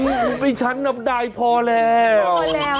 อี้๋อี๋ฉันนำได้พอแล้ว